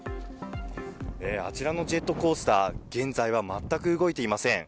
あちらのジェットコースター、現在は全く動いていません。